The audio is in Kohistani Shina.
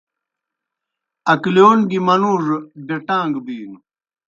اکلِیون گیْ منُوڙوْ بیٹاݩگ بِینوْ۔